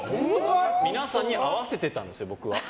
皆さんに合わせてたんですよ。